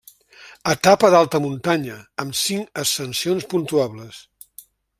Etapa d'alta muntanya, amb cinc ascensions puntuables.